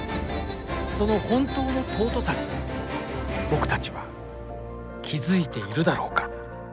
その本当の尊さに僕たちは気付いているだろうか